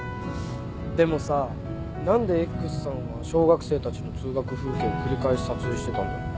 でもさ何でＸさんは小学生たちの通学風景を繰り返し撮影してたんだろう？